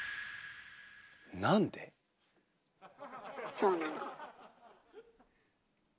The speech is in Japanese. そうなの。